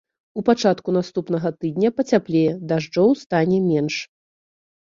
У пачатку наступнага тыдня пацяплее, дажджоў стане менш.